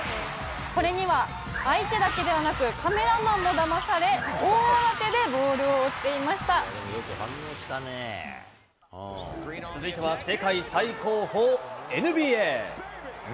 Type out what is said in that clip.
これには、相手だけではなく、カメラマンもだまされ、続いては世界最高峰、ＮＢＡ。